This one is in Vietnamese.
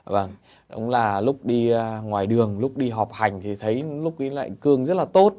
đúng là lúc đi ngoài đường lúc đi họp hành thì thấy lúc đi lại cương rất là tốt